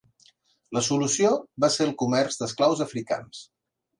La solució va ser el comerç d'esclaus africans.